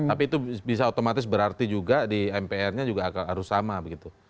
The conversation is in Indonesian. tapi itu bisa otomatis berarti juga di mpr nya juga harus sama begitu